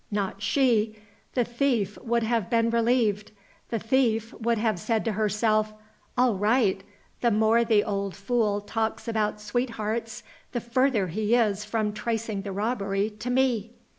Not she! The thief would have been relieved. The thief would have said to herself, 'All right! the more the old fool talks about sweethearts the further he is from tracing the robbery to Me!